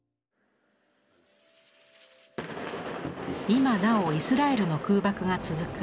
今なおイスラエルの空爆が続く